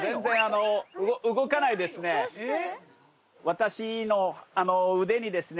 私の腕にですね